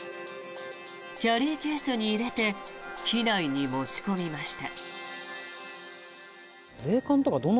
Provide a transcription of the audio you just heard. キャリーケースに入れて機内に持ち込みました。